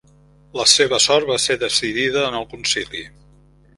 La seva sort va ser decidida en el Concili.